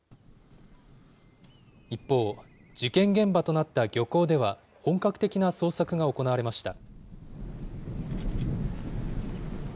一方、事件現場となった漁港では、本格的な捜索が行われました。